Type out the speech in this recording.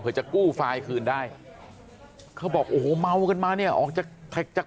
เพื่อจะกู้ไฟล์คืนได้เขาบอกโอ้โหเมากันมาเนี่ยออกจาก